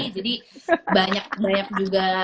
jadi banyak banyak juga